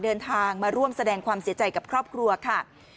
เดินทางมาร่วมแสดงความเสียใจกับครอบครัวค่ะ